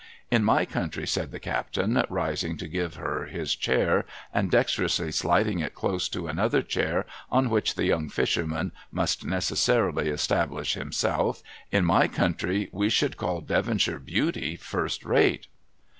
' In my country,' said the captain, rising to give her his chair, and dexterously sliding it close to another chair on which the young fisherman must necessarily establish himself, —' in my country we should call Devonshire beauty first rate